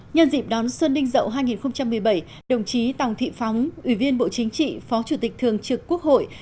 nhân dịp đón xuân ninh dậu hai nghìn một mươi bảy đồng chí tòng thị phóng ủy viên bộ chính trị phó chủ tịch thường trực quốc hội